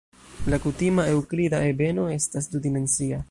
La kutima eŭklida ebeno estas du-dimensia.